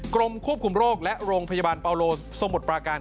กรมควบคุมโรคและโรงพยาบาลปาโลสมุทรปราการ